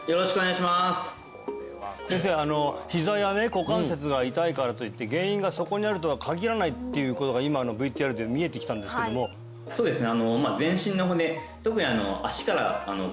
ひざや股関節が痛いからといって原因がそこにあるとは限らないっていうことが今のＶＴＲで見えてきたんですけどもそうですね